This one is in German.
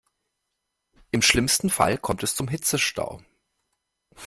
Im schlimmsten Fall kommt es zum Hitzestau.